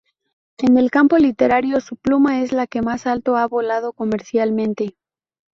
En el campo literario su pluma es la que más alto ha volado comercialmente.